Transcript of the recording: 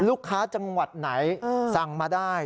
จังหวัดไหนสั่งมาได้